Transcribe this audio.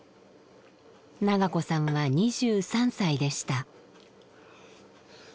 伸子さんは２３歳でした。